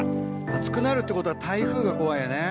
暑くなるってことは台風が怖いよね。